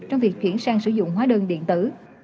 trong việc chuyển sang sử dụng hóa đơn điện tử